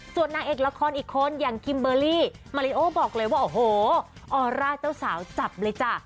ส่วนนางเอกละครอีกคนอย่างคิมเบอร์รี่มาริโอบอกเลยว่าโอ้โหออร่าเจ้าสาวจับเลยจ้ะ